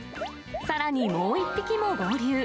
さらに、もう１匹も合流。